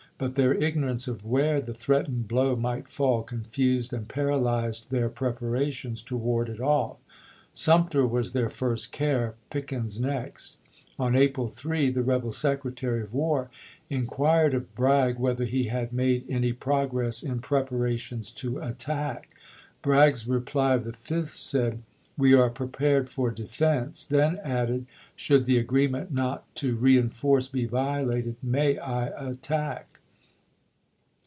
But their ignorance of where the threatened blow might fall confused and paralyzed their prep arations to ward it oif . Sumter was their first care, Pickens next. On April 3 the rebel Secretary of cooper to War inquired of Bragg whether he had made any AprfS'ei. progress in preparations to attack. Bragg's reply i", p. 455! " of the 5th said, " We are prepared for defense "; Bra^g to then added, " should the agreement not to reenforce Affis'^isei. be violated, may I attack?"